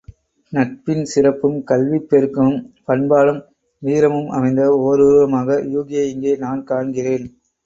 நட்பின் சிறப்பும் கல்விப் பெருக்கமும், பண்பாடும் வீரமும் அமைந்த ஓருருவமாக யூகியை இங்கே நான் காண்கிறேன்.